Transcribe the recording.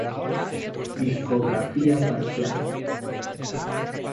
Discografía parcial.